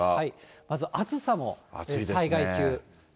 まず暑さも災害級。